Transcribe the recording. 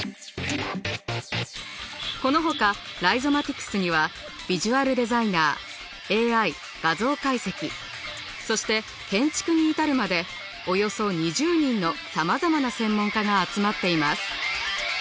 このほかライゾマティクスにはビジュアルデザイナーＡＩ画像解析そして建築に至るまでおよそ２０人の様々な専門家が集まっています。